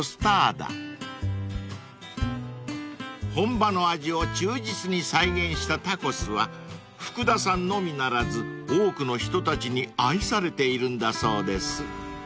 ［本場の味を忠実に再現したタコスは福田さんのみならず多くの人たちに愛されているんだそうです］